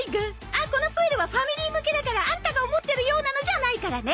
あっこのプールはファミリー向けだからアンタが思ってるようなのじゃないからね